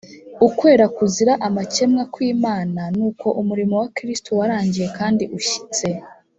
ukwera kuzira amakemwa kw'Imana, n'uko umurimo wa Kristo warangiye kandi ushyitse.